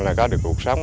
là có được cuộc sống